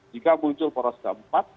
jika muncul poros keempat